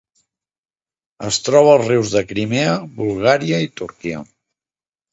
Es troba als rius de Crimea, Bulgària i Turquia.